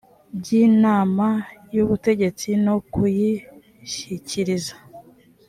by inamay ubutegetsi no kuyishyikiriza